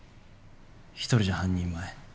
１人じゃ半人前。